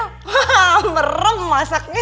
haha merem masaknya